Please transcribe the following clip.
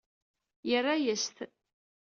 Yerra-yas-t.